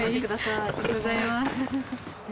ありがとうございます。